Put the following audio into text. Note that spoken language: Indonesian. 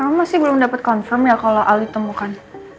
kamu masih belum dapat confirm ya kalau ali temukan